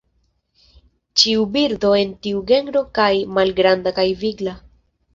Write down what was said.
Ĉiu birdo en tiu genro estas malgranda kaj vigla.